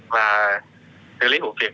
và xử lý vụ việc